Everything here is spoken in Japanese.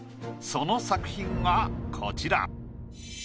その作品がこちら。